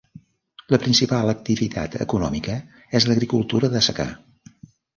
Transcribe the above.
La principal activitat econòmica és l'agricultura de secà.